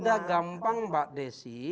tidak gampang mbak desi